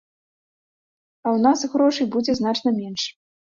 А ў нас грошай будзе значна менш.